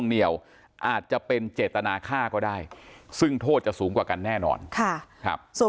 เหนียวอาจจะเป็นเจตนาค่าก็ได้ซึ่งโทษจะสูงกว่ากันแน่นอน